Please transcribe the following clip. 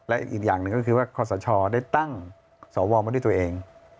และอีกอย่างหนึ่งก็คือว่าคอสชได้ตั้งสวมาด้วยตัวเอง